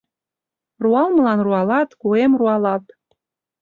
Руалмылан руалат, куэм руалат: